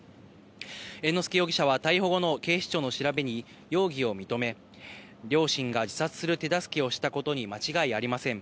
猿之助容疑者は逮捕後の警視庁の調べに容疑を認め、両親が自殺する手助けをしたことに間違いありません。